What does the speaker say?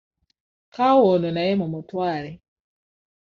Kaawa ono naye mumutwale.